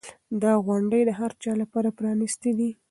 دا غونډې د هر چا لپاره پرانیستې دي.